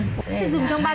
thì dùng trong ba tháng